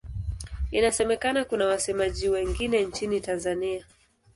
Inasemekana kuna wasemaji wengine nchini Tanzania.